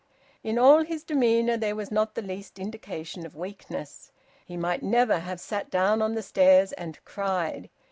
In all his demeanour there was not the least indication of weakness. He might never have sat down on the stairs and cried!